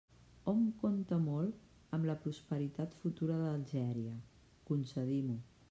Hom compta molt amb la prosperitat futura d'Algèria; concedim-ho.